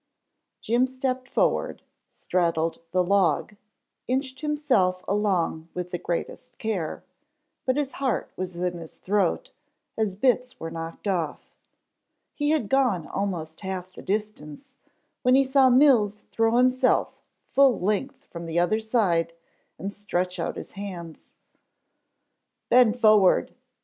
Jim stepped forward, straddled the log, inched himself along with the greatest care, but his heart was in his throat as bits were knocked off. He had gone almost half the distance when he saw Mills throw himself full length from the other side, and stretch out his hands. "Bend forward."